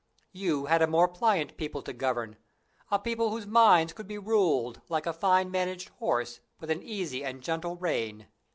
You had a more pliant people to govern a people whose minds could be ruled, like a fine managed horse, with an easy and gentle rein.